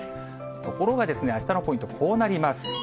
ところがですね、あしたのポイント、こうなります。